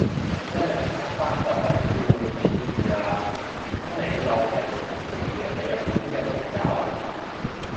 一零加三就買機票去邊處啊？唔通你就係成皮嘢飛日本嘅朋友